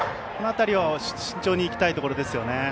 この辺りを慎重にいきたいところです。